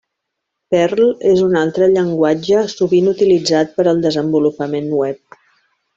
Perl és un altre llenguatge sovint utilitzat per al desenvolupament web.